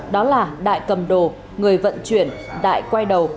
đó là đại cầm đồ người vận chuyển đại quay đầu